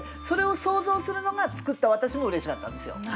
それを想像するのが作った私もうれしかったんですよ。